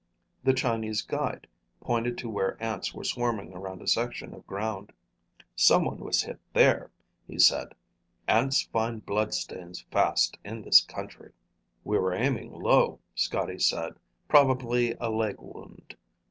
The Chinese guide pointed to where ants were swarming around a section of ground. "Someone was hit there," he said. "Ants find bloodstains fast in this country." "We were aiming low," Scotty said. "Probably a leg wound.